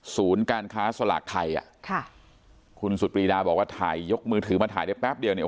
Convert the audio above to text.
การค้าสลากไทยอ่ะค่ะคุณสุดปรีดาบอกว่าถ่ายยกมือถือมาถ่ายได้แป๊บเดียวเนี่ย